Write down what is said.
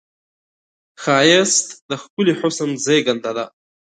ښایست د ښکلي حس زېږنده ده